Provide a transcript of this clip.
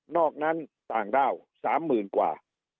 อกนั้นต่างด้าว๓๐๐๐กว่า